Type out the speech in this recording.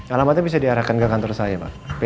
alamatnya bisa diarahkan ke kantor saya pak